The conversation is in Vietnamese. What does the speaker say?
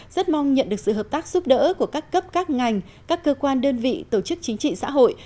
rất mong nhận được sự hợp tác giúp đỡ của các cấp các ngành các cơ quan đơn vị tổ chức chính trị xã hội